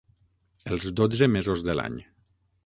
Els dotze mesos de l'any.